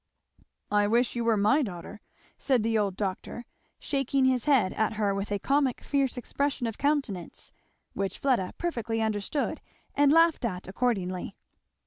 "I wish you were my daughter!" said the old doctor, shaking his head at her with a comic fierce expression of countenance, which Fleda perfectly understood and laughed at accordingly.